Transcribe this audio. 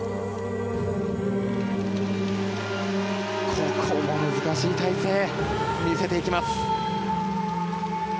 ここも難しい体勢見せていきます。